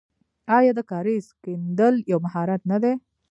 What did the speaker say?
آیا د کاریز کیندل یو مهارت نه دی؟